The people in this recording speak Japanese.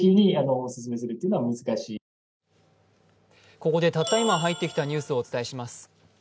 ここでたった今入ってきたニュースをお伝えします。